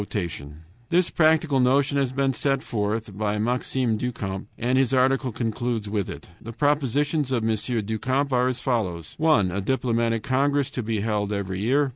This practical notion has been put forth by Maxime du Camp, and his article concludes with it. The propositions of M. du Camp are as follows: 1. A diplomatic congress to be held every year.